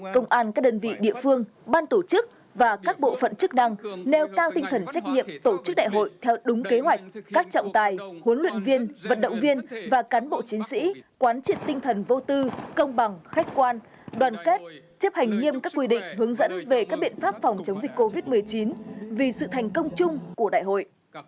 công an các đơn vị địa phương ban tổ chức và các bộ phận chức năng nêu cao tinh thần trách nhiệm tổ chức đại hội theo đúng kế hoạch các trọng tài huấn luyện viên vận động viên và cán bộ chiến sĩ quán triện tinh thần vô tư công bằng khách quan đoàn kết chấp hành nghiêm các quy định hướng dẫn về các biện pháp phòng chống dịch covid một mươi chín vì sự thành công chung của đại hội